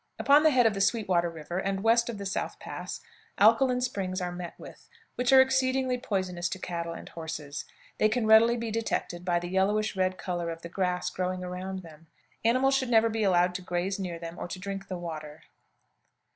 Upon the head of the Sweetwater River, and west of the South Pass, alkaline springs are met with, which are exceedingly poisonous to cattle and horses. They can readily be detected by the yellowish red color of the grass growing around them. Animals should never be allowed to graze near them or to drink the water.